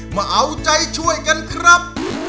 มาเอาใจช่วยกันครับ